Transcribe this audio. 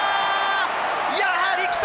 やはり来た！